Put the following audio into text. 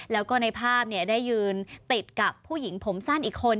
แล้วก็ในภาพได้ยืนติดกับผู้หญิงผมสั้นอีกคน